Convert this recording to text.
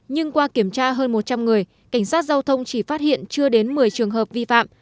nhưng qua kiểm tra hơn một trăm linh người cảnh sát giao thông chỉ phát hiện chưa đến một mươi trường hợp vi phạm